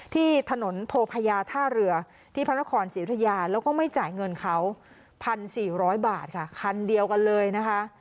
ที่ถนนโพพญาท่าเรือที่พระนครศรีอุทยาแล้วก็ไม่จ่ายเงินเขา๑๔๐๐บาทค่ะคันเดียวกันเลยนะคะ